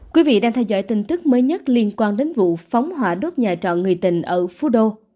quý vị đang theo dõi tin tức mới nhất liên quan đến vụ phóng hỏa đốt nhà trọ người tình ở phú đô